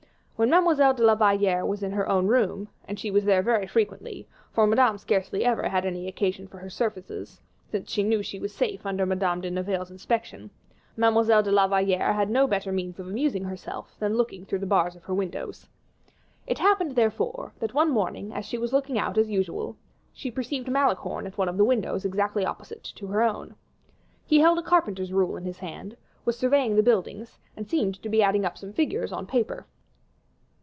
When Mademoiselle de la Valliere was in her own room, and she was there very frequently, for Madame scarcely ever had any occasion for her services, since she once knew she was safe under Madame de Navailles's inspection, Mademoiselle de la Valliere had no better means of amusing herself than looking through the bars of her windows. It happened, therefore, that one morning, as she was looking out as usual, she perceived Malicorne at one of the windows exactly opposite to her own. He held a carpenter's rule in his hand, was surveying the buildings, and seemed to be adding up some figures on paper.